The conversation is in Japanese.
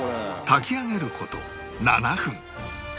炊き上げる事７分